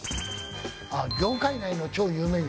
あぁ業界内の超有名人。